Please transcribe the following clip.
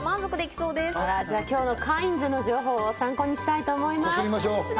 今日のカインズの情報を参考にしたいと思います。